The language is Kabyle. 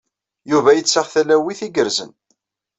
Yuba yettaɣ talawit igerrzen.